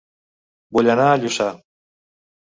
Vull anar a Lluçà